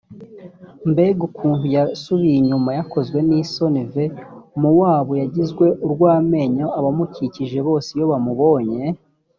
mbega ukuntu yasubiye inyuma yakozwe n isoni v mowabu yagizwe urw amenyo abamukikije bose iyo bamubonye